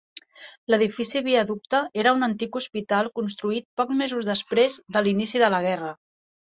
L'edifici Viaducte era un antic hospital construït pocs mesos després de l'inici de la guerra.